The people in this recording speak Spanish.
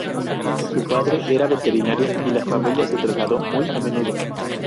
Su padre era veterinario y la familia se trasladó muy a menudo.